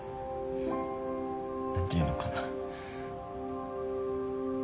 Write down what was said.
何ていうのかな。